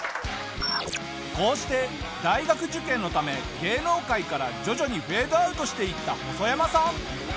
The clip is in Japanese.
こうして大学受験のため芸能界から徐々にフェードアウトしていったホソヤマさん。